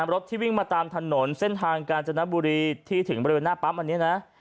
รถที่วิ่งมาตามถนนเส้นทางกาญจนบุรีที่ถึงบริเวณหน้าปั๊มอันนี้นะ